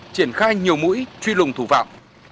triển khai nhiều mũi truy lùng thủ phạm